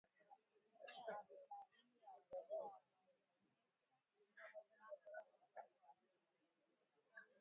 Asilimia arobaini ya wanyama wanaonyonyesha hupata ugonjwa wa kiwele